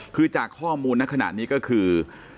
คือจากข้อมูลนั้นขนาดนี้ก็คือ